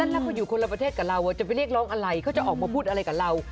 แล้วเขาอยู่คนละประเทศกับเราจะไปเรียกร้องอะไรเขาจะออกมาพูดอะไรกับเรา